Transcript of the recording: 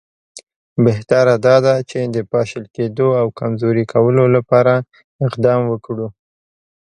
بهتره دا ده چې د پاشل کېدلو او کمزوري کولو لپاره اقدامات وکړو.